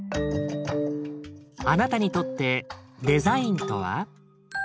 あなたにとってデザインとは？